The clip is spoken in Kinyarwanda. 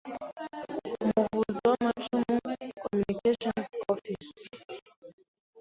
Umuvuzi w’amacumu: Communications Offi cer.